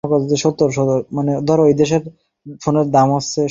সেখানে নতুন কমিটির পক্ষ থেকে তাঁকে ফুল দিয়ে বরণ করে নেওয়া হবে।